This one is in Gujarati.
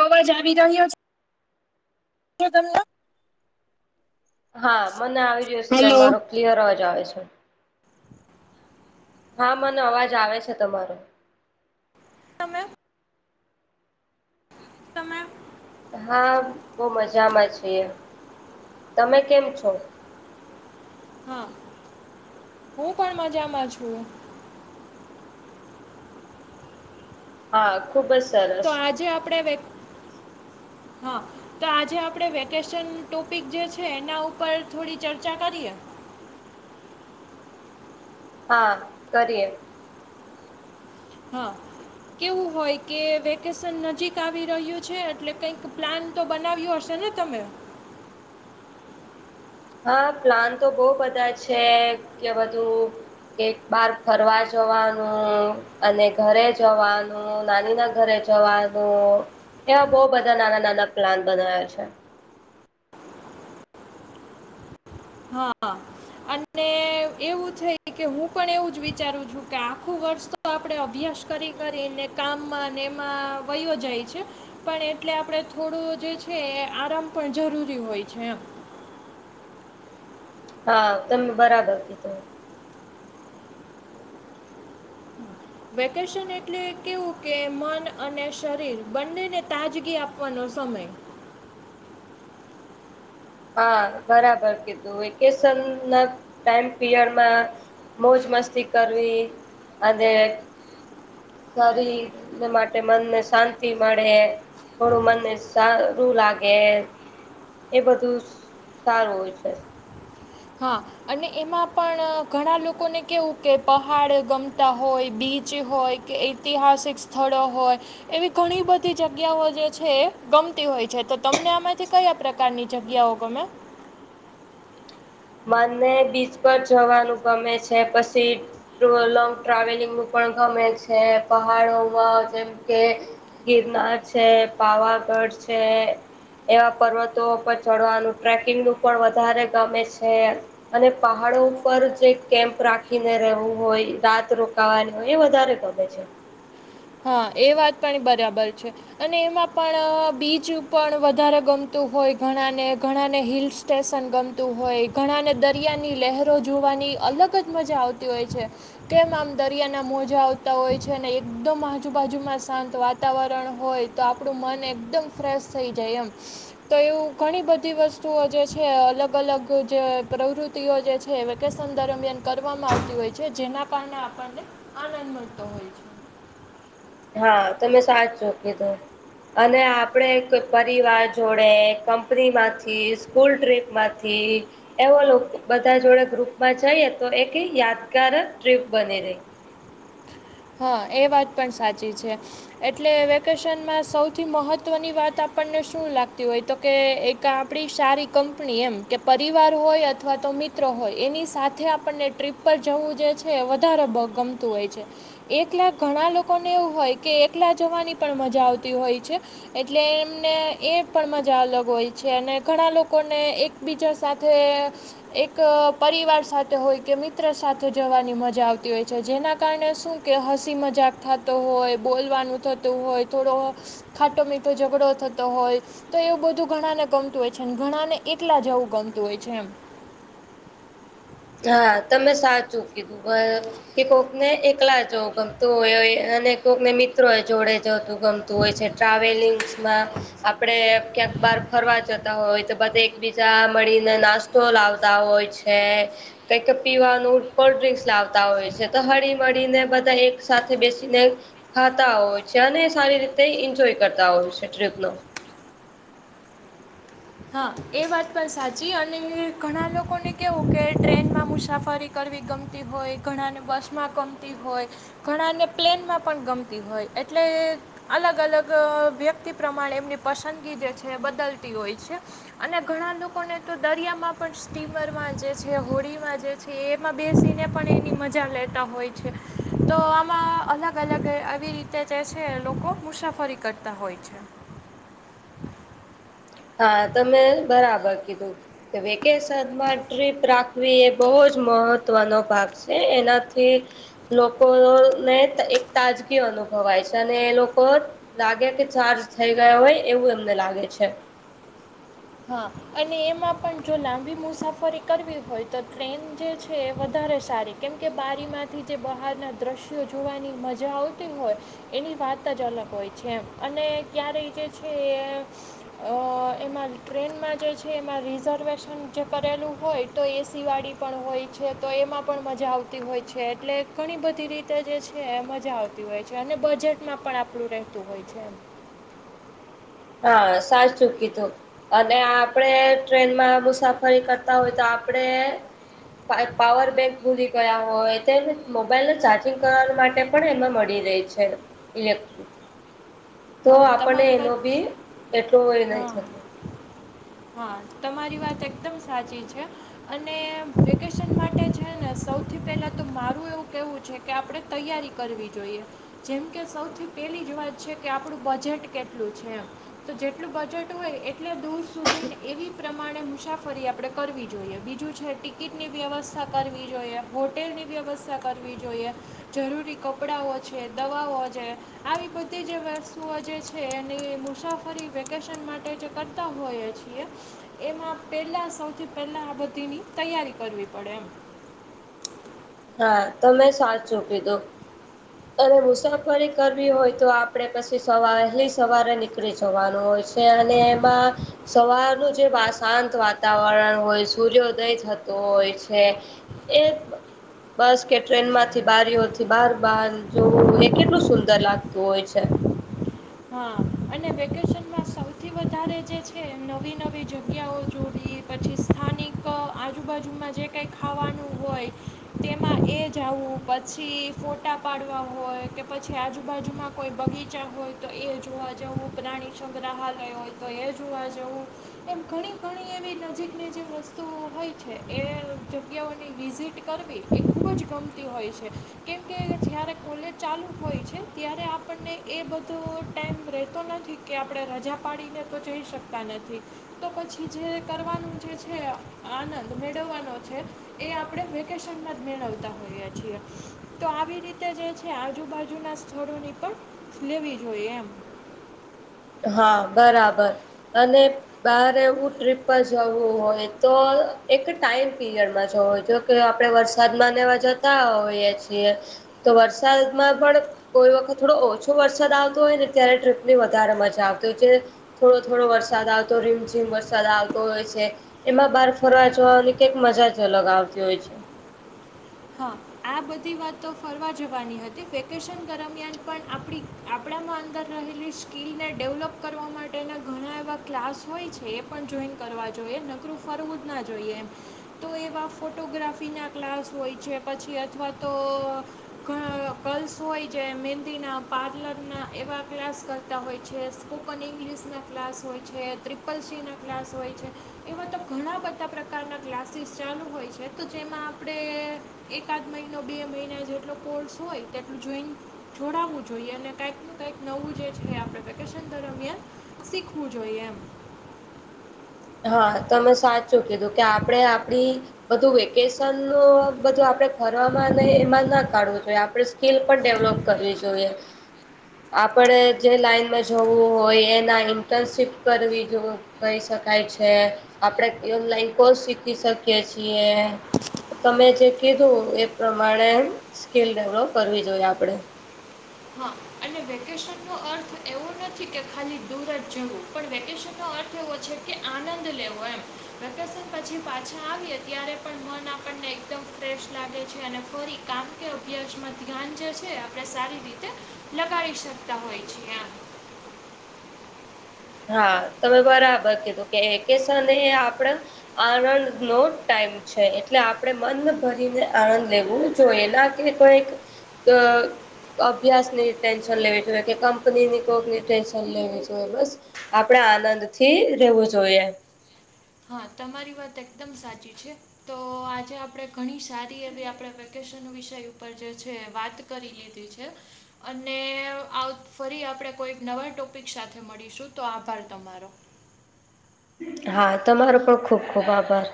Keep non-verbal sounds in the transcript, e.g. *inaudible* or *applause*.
અવાજ આવી રહ્યો છે તમને? હા મને આવી રહ્યો છે હલો તમારો ક્લિયર અવાજ આવે છે. હા મને અવાજ આવે છે તમારો. તમે તમે હા બહ મજામાં છેએ. તમે કેમ છો? હા હું પણ મજામાં છું. હા. ખૂબ સરસ. તો આજે આપડે *inaudible* હા. તો આજે આપણે વેકેશન ટોપિક જે છે એના ઉપર થોડી ચર્ચા કરીએ. હા કરીએે. હા કેવું હોય કે વેકેશન નજીક આવી રહ્યું છે એટલે કંઈક પ્લાન તો બનાવ્યું હશે ને તમે. હા પ્લાન તો બહુ બધા છે કે બધું. કેક બાર ફરવા જવાનું. અને ઘરે જવાનું નાની ના ઘરે જવાનું એવા બહુ બધા નાના નાના પ્લાન બનાવ્યા છે. હા. અને એવું થઈ કે હું પણ એવું જ વિચારું છું કે આખું વર્ષ તો તો આપડે અભ્યાસ કરી કરીને કામમાં ને એમાં વયોયો જાય છે. પણ એટલે આપણેે થોડું જે છે એ આરામ પણ જરૂરી હોય છે એમ. હા તમે બરાબર કીધું. વેકેશન એટલે કેવું કે મન અને શરીર બંનેને તાજગી આપવાનો સમય. હા બરાબર કીધું વેકેશન ના ટાઈમ પીરિયડમાં. મોજ મસ્તી કરવી અને. સારી માટે મનને શાંતિ મળે. થોડું મને સારું લાગે. એ બધું સારું હોય છે. હા. અને એમાં પણ ઘણા લોકોને કહેવું કે પહાડ ગમતા હોય બીચ હોય કે એ. ઐતિહાસિક સ્થળો હોય. એવી ઘણી બધી જગ્યાઓ જે છે એ ગમતી હોય છે તો તમને આમાંથી કયા પ્રકાર. કરની જ ગયાઓગ મેં. મને બીચ પર જવાનું ગમે છે પછી. લોંગ ટ્રાવેલિંગ પણ ગમે છે પહાડોમાં જેમ કે. ગિરનાર છે પાવાગઢ છે. એવા પર્વતો પર ચડવાનું ટ્રેકિંગ નું પણ વધારે ગમે છે. અને પહાડો ઉપર જે કેમ્પ રાખીને રહેવું હોય રાત રોકાવાની હોય એ વધારે. કગ છે. હા એ વાત પણ બરાબર છે. અને એમાં પણ બીચ પણ વધારે ગમતું હોય ઘણા ને ઘણાને હિલ્લ્સ. સ્ટેશન ગમતું હોય ઘણાને દરિયાની લહેરો જોવાની અલગ જ મજા આવતી હોય છે. કેમ આમ દરિયા ના મોજા આવતા હોય છે અને. એકદમ આજુબાજુમાં શાંત વાતાવરણ હોય તો આપણું મન એકદમ ફ્રેશ થઈ જાય એમ. તો એવું ઘણી બધી વસ્તુઓ જે છે અલગ અલગ જે પ્રવૃતિ. જે છે વેકેશન દરમિયાન કરવામાં આવતી હોય છે જેના કારણે આપણને. આનંદ મળતો હોય છે. હા તમે સાચ છો કીધો. અને આપણે કોઈ પરિવાર જોડે કંપનીમાંથી. સ્કૂલ ટ્રીપમાંથી. એવો લોકો બધા જોડે ગ્રુપમાં જઈએ તો એક યાદગાર ટ્રીપ બની રહી. હા એ વાત પણ સાચી છે એટલે વેકેશનમાં સૌથી મહત્વની વાત આપણને શું લાગતી હોય. તો કે એક આપડી સારી કંપની એમ કે પરિવાર હોય અથવા તો મિત્ર. હોય એની સાથે આપણને ટ્રીપ પર જવું જે છે વધારે ગમતું હોય છે. એકલા ઘણા લોકોને એવું હોય કે એકલા જવાની પણ મજા આવતી હોય છે. એટલે એમને એ પણ મજા અલગ હોય છે અને ઘણા લોકોને એક. બીજા સાથે. એક પરિવાર સાથે હોય કે મિત્ર સાથે જવાની મજા આવતી હોય છે જેના કારણે શું. કે હસી મજાક થતો હોય બોલવાનું થતું હોય થોડો ખાટો મીઠો ઝઘડો થતો હોય. તો એવું બધું ઘણાને ગમતું હોય છે ઘણા ને એટલા જવું ગમતું હોય છે એમ. હા તમે સાચું કીધું. કે કોકને એકલા જોવું ગમતું હોય અને કોકને મિત્રો જોડે જતું ગમતું હોય છે ટ્રાવેલિંગ્સમાં આપડે ક્યાંક બહાર ફરવા જતા હોય તો બધ એકબીજા મળીને નાસ્તો લાવતા હોય હ. કંઈક પીવાનું કોલ્ડ ડ્ર્રીંક્સ લાવતા હોય છે તો હરી મળરીીને બધા એક સાથે બેસીને. ખાતા હોય છે અને સારી રીતે એન્જોય કરતા હોય છે ટ્રીપનો. હા એ વાત પણ સાચી અને ઘણા લોકોને કેવું કે ટ્રેનમાં મુસાફરી. કરવી ગમતી હોય ઘણાને બસમાં ગમતી હોય. ઘણાને પ્લેનમાં પણ ગમતી હોય એટલે અલગ અલગ વ્યક્તિ પ્રમાણે એમની પસંદગી જે છે એ બદલતી હોય છે. અને ઘણા લોકોને તો દરિયામાં પણ સ્ટીમરમાં જે છે હોળીમાં જે છે. એમાં બેસીને પણ એની મજા લેતા હોય છે. તો આમાં અલગ અલગ આવી રીતે જે છે લોકો મુસાફરી કરતા હોય છે. હા તમે બરાબર કીધું કે વેકેશનમાં ટ્રીપ રાખવી એ બહુ જ મહત્વનો ભાગ છે એનાથી લોકો ને એક તાજગી અનુભવાય છે અને એ લોકો લાગે કે ચાર્જ થઈ ગયા હોય એવું એમને લાગે છે. હા અને એમાં પણ જો લાંબી મુસાફરી કરવી હોય તો ટ્રેન જે છે એ વધારે સારી કેમ કે બારીમાંથી જે બહારનાં દ્રશ્યો જોવાની મજા આવતી હોય એની વાત જ અલગ હોય છે એમ અને ક્યારેય જે છે એ અ એમાં ટ્રેનમાં જે છે એમાં રિઝર્વેશન જે કરેલું હોય તો એસીવાળી પણ હોય છે. તો એમાં પણ મજા આવતી હોય છે એટલે ઘણી બધી રીતે જે છે મજા આવ હોય છે અને બજેટમાં પણ આપણું રહેતું હોય છે એમ હા સાચૂ કીધું અને આપણેે ટ્રેનમાં મુસાફરી કરતા હોય તો આપણે પાવર બેંક ભૂલી ગયા હોય તેમ મોબાઈલને ચાર્જિંગ કરવા માટે પણ એમાં મળી રહી છે ઇલેક્ટિક તો હા આપણને તમારી એનો વાત બી એટલો એ નહી હા થતો હા તમારી વાત એકદમ સાચી છે. અને વેકેશન માટે છેને સૌથી પેલા તો મારું એવું કેવું છે. કે આપણે તૈયારી કરવી જોઈએ જેમ કે સૌથી પહેલી જ વાત છે. કે આપણું બજેટ કેટલું છે એમ તો જેટલું બજેટ હોય એટલે દૂર સુધીને એવી પ્રમાણે મુસાફરી આપણેે કરવી જોઈએ બીજું છે ટિકિટની વ્યવસ્થા કરવી જોઈએ, હોટેલની વ્યવસ્થા કરવી જોઈએ. જરૂરી કપડાંઓ છે દવાઓ છે આવી બધીજ જે વસ્તુઓ જે છે એ મુસાફરી વેકેશન માટે જે કરતા હોઈએ છીએ એમાં પહેલાં સૌથી પહેલાં આ બધીની તૈયારી કરવી પડે એમ હા તમે સાચુ કીધુ અને મુસાફરી કરવી હોય તો આપડે પછી સવારે નીકળી જવાનું હોય અને એમાં સવારનું જ જે શાંત વાતાવરણ હોય સૂર્યોદય થતો હોય છે એ બસ કે ટ્રેન માંથી બારીઓથી બહાર બહાર જોવું એ કેટલું સુંદર લાગતું હોય છે. હા અને વેકેશનમાં સ સૌથી વધારે જે છે નવી નવી જગ્યાઓ જોડી પછી સ્થાનિક આજુબાજુમાં જે કઈ ખાવાનું હોય તેમાં એ જ આવું પછી ફોટા પાડવા હોય કે પછી આજુબાજુમાં કોઈ બગીચા હોય તો એ જોવા જવું પ્રાણી સંગ્રહાલયો હોય તો એ જોવા જવું એમ ઘણી ઘણી એવી નજીકની જે વસ્તુઓ હોય છે એ જગ્યાઓની વિઝિટ કરવી એ ખૂબ જ ગમતી હોય છે. કેમ કે જ્યારે કોલેજ ચાલુ હોય છે ત્યારે આપ આપણને એ બધ તો ટાઈમ રહેતો નથી કે આપણે રજા પાડીને તો જઈ શકતા નથી. તો પછી જે કરવાનું જે છે આનંદ મેળવવાનો છે. એ આપણે વેકેશનમાં જ મેળવતા હોઈએ છીએ તો આવી રીતે જે છે આજુબાજુના સ્થળોની પણ લેવી જોઈએ એમ હા બરાબર અને બહાર એવું ટ્રીપ પર જવું હોય તો એક ટાઈમ પીરિયડમાં જવો હોય જો કે આપણે વરસાદમાં લેવા જતા હોઈએ છીએ તો વરસાદમાં પણ કોઈ વખત થોડો ઓછો વરસાદ આવતો હોય ને ત્યારે ટ્રિપની વધારે મજ તો આવતો છે. થોડો થોડો વરસાદ આવતો રીમઝીમ વરસાદ આવતો હોય છે. એમાં બહાર ફરવા જવાની કંઈક મજા જ અલગ આવતી હોય છે. હહ આ બધી વાતો ફરવા જવાની હતી. વેકેશન દરમિયાન પણ આપણી આપણામાં અંદર રહેલી સ્કિલને ડેવલપ કરવા માટેના ઘણા એવા ક્લાસ હોય છે એ પન જોઈન કરવા જોઈએ. નકરું ફરવું જ ના જોઈએ એમ. તો એવા ફોટોગ્રાફીના ક્લાસ હોય છે. પછી અથવા તો ગર્લ્સ હોય જે મહેંદીના પાર્લરના એવા ક્લાસ કરતા હોય છે, સ્પોકન ઈંગ્લિશના ક્લાસ હોય છે, ત્રી પલસીના ક્લાસ હોય છે. એવા તો ઘણા બધા પ્રકારના ક્લાસીસ ચાલુ હોય છે. તો જેમાં આપણે હ *inaudible* એકાદ મહિનો બે મહિના જેટલો કોર્સ હોય તેટલું જોઈન જોડાવવું જોઈએ. અને કાંઈક ન કાંઈક નવું જે છે આપણે વેકેશન દરમિયાન શીખવું જોઈએ એમ. હહ તમે સાચું કીધું કે આપડે આપડી બધું વેક વેકેશનનું બધું આપણે ફરવા માંને એમાં ના કાઢવું જોઈએ આપણે સ્કીલ પણ ડેવલોપ કરવી જોઈએ. આપણે જે લાઈનમાં જવું હોય એના ઇન્ટર્નશીપ કરવી જો કહી શકાય છે. આપણેે ઓનલાઈન કોર્સ શીખી શકીએ છીએ. તમે જે કીધું એ પ્રમાણે સ્કીલ ડેવલોપ કરવી જોઈએ આપણે. હા અને વેકેશનનો અર્થ એવો નથી કે ખાલી દૂર જ જવું પણ વેકેશનનો અર્થ એવો છે. કે આનંદ લેવો એમ. વેકેશન પછી પાછા આવીએ ત્યારે પણ મન આપણને એકદમ ફ્રેશ લાગે છે. અને ફરી કામ કે અભ્યાસમાં ધ્યાન જે છે આપણે સારી રીતે લગાડી શકતા હોય છે એમ. હા તમે બરાબર કીધું કે વેકેસન એ આપણે આનંદનો ટાઈમ છે. એટલે આપણે મન ભરીને આનંદ લેવું જોઈએ ના કે કોઈક ક અભ્યાસની ટેન્શન લેવી જોઈએ કે કંપનીની કોકની ટેન્શન લેવી જોઈએ બસ આપણેે આનંદથી રહેેવું જોઈએ. હા તમારી વાત એકદમ સાચી છે. તો આજે આપડે ઘણી સારી એવી આપણે વેકેશન વિષય ઉપર જે છે એ વાત કરી લીધી છે. અને આવત ફરી આપણે કોઈક નવા ટોપિક સાથે મળીશું તો આભાર તમારો. હા તમારો પણ ખુબ ખુબ આભાર.